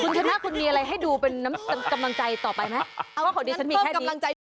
คุณชมคะคุณมีอะไรให้ดูเป็นน้ำกำลังใจต่อไปไหมเพราะขอดีฉันมีแค่นี้